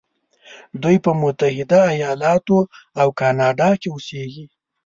دوی په متحده ایلاتو او کانادا کې اوسیږي.